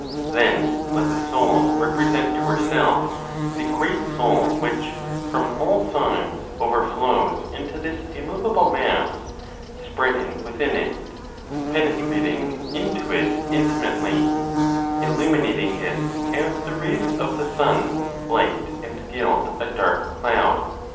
Then let the soul represent to herself the great Soul which, from all sides, overflows into this immovable mass, spreading within it, penetrating into it intimately, illuminating it as the rays of the sun light and gild a dark cloud.